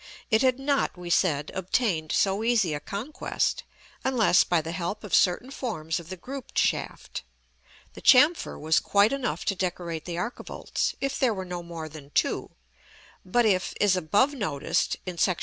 It had not, we said, obtained so easy a conquest, unless by the help of certain forms of the grouped shaft. The chamfer was quite enough to decorate the archivolts, if there were no more than two; but if, as above noticed in § III.